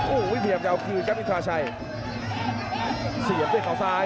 โอ้ววิเทียบจะเอาคือกับอินทราชัยเสียบด้วยข่าวซ้าย